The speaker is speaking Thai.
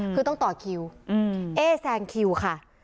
คือต้องต่อคิวเอ๊แซงคิวค่ะ